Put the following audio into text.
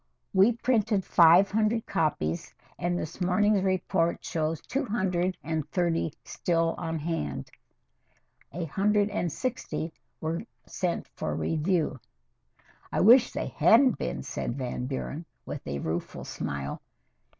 "We printed five hundred copies, and this morning's report shows two hundred and thirty still on hand. A hundred and sixty were sent for review." "I wish they hadn't been," said Van Buren, with a rueful smile.